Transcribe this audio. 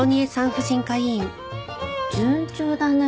順調だね。